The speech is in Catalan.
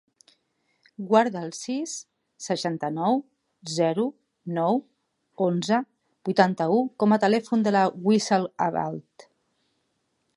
Guarda el sis, seixanta-nou, zero, nou, onze, vuitanta-u com a telèfon de la Wissal Abalde.